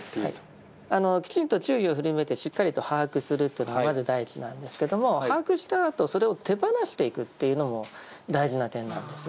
きちんと注意を振り向けてしっかりと把握するというのがまず第一なんですけども把握したあとそれを手放していくというのも大事な点なんです。